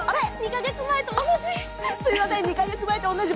２か月前と同じ！